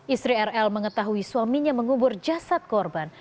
istri rl mengetahui suaminya mengubur jasad korban